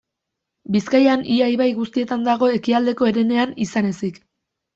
Bizkaian ia ibai guztietan dago ekialdeko herenean izan ezik.